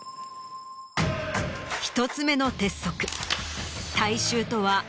１つ目の鉄則。